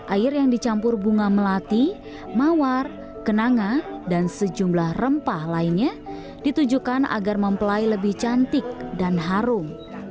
air yang dicampur bunga melati mawar kenanga dan sejumlah rempah lainnya ditujukan agar mempelai lebih cantik dan harum